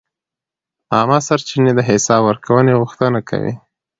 عامه سرچینې د حساب ورکونې غوښتنه کوي.